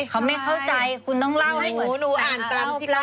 เขาไม่เข้าใจคุณต้องเล่าให้หนูหนูอ่านตามที่เล่า